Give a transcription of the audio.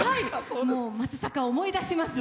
松阪を思い出します。